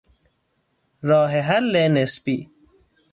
راه حل نسبی